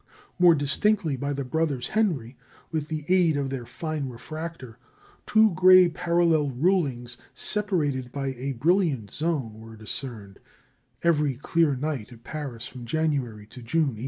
More distinctly by the brothers Henry, with the aid of their fine refractor, two gray parallel rulings, separated by a brilliant zone, were discerned every clear night at Paris from January to June, 1884.